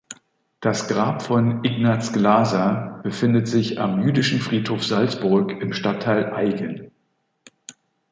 Das Grab von Ignaz Glaser befindet sich am Jüdischen Friedhof Salzburg im Stadtteil Aigen.